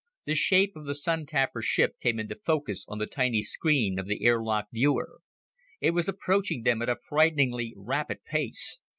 The shape of the Sun tapper ship came into focus on the tiny screen of the air lock viewer. It was approaching them at a frighteningly rapid pace.